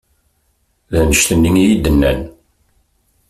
D annect-nni i yi-d-nnan.